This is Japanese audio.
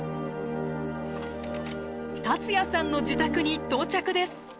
達也さんの自宅に到着です。